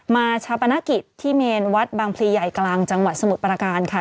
ชาปนกิจที่เมนวัดบางพลีใหญ่กลางจังหวัดสมุทรประการค่ะ